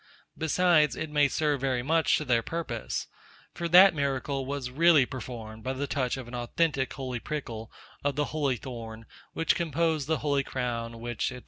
Besides, it may serve very much to their purpose. For that miracle was really performed by the touch of an authentic holy prickle of the holy thorn, which composed the holy crown, which, &c.